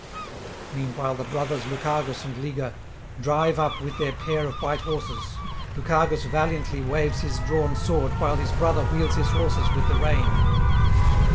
Meanwhile the brothers Lucagus and Liger drive up with their pair of white horses. Lucagus valiantly waves his drawn sword, while his brother wheels his horses with the rein.